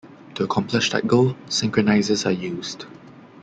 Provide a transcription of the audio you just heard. To accomplish that goal, synchronizers are used.